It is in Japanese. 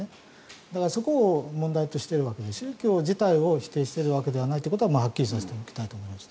だからそこを問題としているわけで宗教自体を否定していることではないことははっきりさせておきたいと思います。